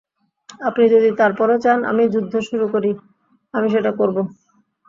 আপনি যদি তারপরও চান, আমি যুদ্ধ শুরু করি, আমি সেটা করব।